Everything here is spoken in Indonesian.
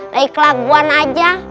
naik laguan aja